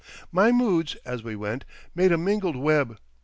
My moods, as we went, made a mingled web.